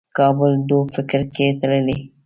کابل ډوب فکر کې تللی